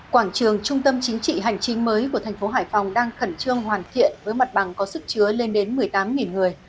quảng trường trung tâm chính trị hành chính mới của thành phố hải phòng đang khẩn trương hoàn thiện với mặt bằng có sức chứa lên đến một mươi tám người